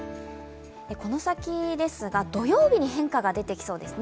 この先ですが、土曜日に変化が出てきそうですね。